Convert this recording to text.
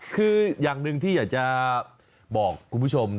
คืออย่างหนึ่งที่อยากจะบอกคุณผู้ชม